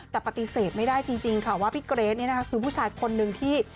แต่ปฏิเสธไม่ได้จริงค่ะว่าพี่เกรทนี่นะคะคือผู้ชายคนนึงที่